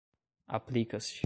aplica-se